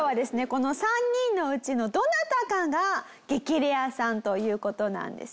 この３人のうちのどなたかが激レアさんという事なんです。